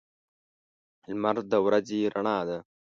لمر د ورځې رڼا ده.